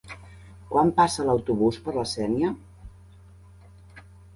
Quan passa l'autobús per la Sénia?